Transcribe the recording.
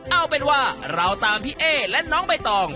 เอาเป็นว่าเราตามพี่เอ๊และน้องใบตอง